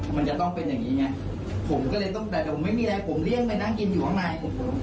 ไม่มีอะไรผมเลี่ยงไปนั่งกินอยู่อ่ะนาย